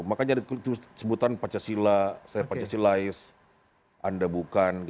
makanya ada sebutan pancasila saya pancasilais anda bukan